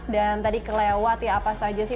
dan tadi kelewat ya apa saja sih